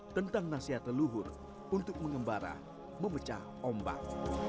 tentang nasiata luhur untuk mengembara memecah ombak